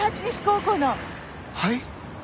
はい？